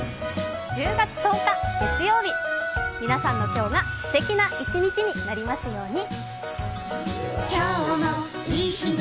１０月１０日月曜日、皆さんの今日がすてきな一日になりますように。